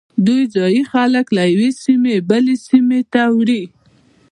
دوی ځایی خلک له یوې سیمې بلې ته وړي